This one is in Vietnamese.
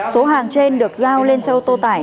số hàng trên được giao lên sâu tô tải